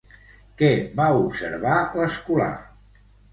Què va observar l'escolà?